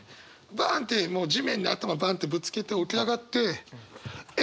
バンってもう地面に頭バンってぶつけて起き上がって。